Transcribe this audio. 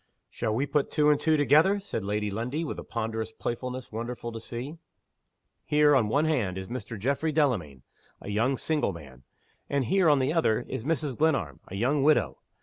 "Shall we put two and two together?" said Lady Lundie, with a ponderous playfulness wonderful to see. "Here, on the one hand, is Mr. Geoffrey Delamayn a young single man. And here, on the other, is Mrs. Glenarm a young widow.